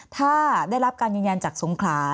ถ้าได้รับการยืนยันจากสงขลา